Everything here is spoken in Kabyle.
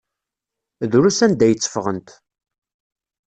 Drus anda ay tteffɣent.